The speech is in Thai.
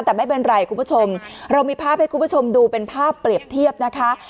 แต่ไม่เป็นไรคุณผู้ชมเรามีภาพให้คุณผู้ชมดูเป็นภาพเปรียบเทียบนะคะ